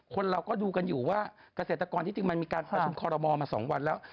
คนเราก็ดูกันอยู่ว่าเกษตรกรที่จริงมันมีการประชุมคอรมอลมา๒วันแล้ว